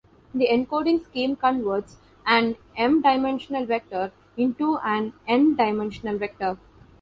The encoding scheme converts an "m"-dimensional vector into an "n"-dimensional vector.